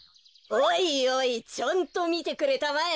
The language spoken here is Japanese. おいおいちゃんとみてくれたまえ。